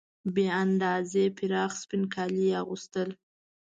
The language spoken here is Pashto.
بې اندازې پراخ سپین کالي یې اغوستل.